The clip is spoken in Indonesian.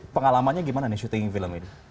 pengalamannya gimana nih syuting film ini